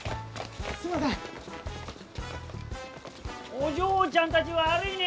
お嬢ちゃんたち悪いね！